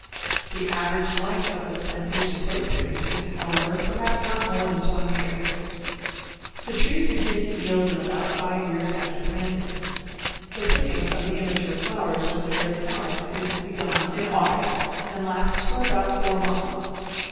The average life of the plantation clove trees is, however, perhaps not more than 20 years. The trees begin to yield in about five years after planting. The picking of the immature flowers with the red calyx is begun in August and lasts for about four months.